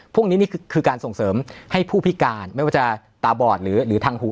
พวกนี้นี่คือการส่งเสริมให้ผู้พิการไม่ว่าจะตาบอดหรือทางหู